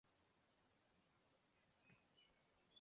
蒲莱斯考特是一个位于美国阿肯色州内华达县的城市。